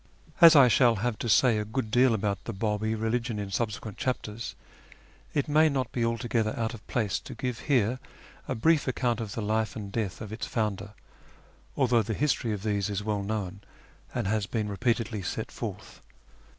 As I shall have to say a good deal about the Babi religion in subsequent chapters, it may not be altogether out of place to give here a brief account of the life and death of its founder, although the history of these is well known, and has been repeatedly set forth.